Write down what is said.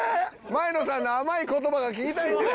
前野さんの甘い言葉が聞きたいんです